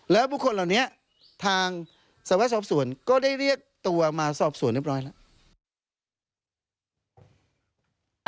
แล้วบุคคลเหล่านี้ทางสวรสอบสวนก็ได้เรียกตัวมาสอบสวนเรียบร้อยแล้ว